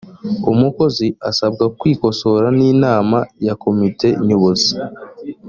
umukozi asabwa kwikosora n’inama ya komite nyobozi